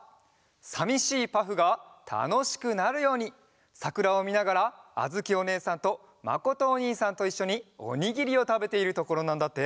さみしいパフがたのしくなるようにさくらをみながらあづきおねえさんとまことおにいさんといっしょにおにぎりをたべているところなんだって。